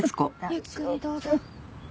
ゆっくりどうぞ。